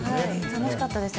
楽しかったです。